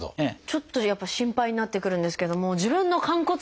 ちょっとやっぱ心配になってくるんですけども自分の寛骨臼